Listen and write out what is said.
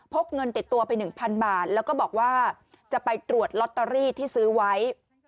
กเงินติดตัวไป๑๐๐บาทแล้วก็บอกว่าจะไปตรวจลอตเตอรี่ที่ซื้อไว้